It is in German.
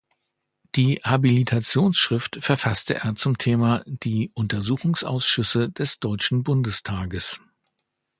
Die Habilitationsschrift verfasste er zum Thema "Die Untersuchungsausschüsse des Deutschen Bundestages.